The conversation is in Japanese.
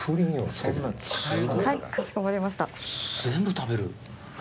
全部食べる。